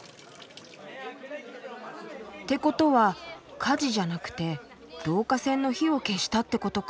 てことは火事じゃなくて導火線の火を消したってことか。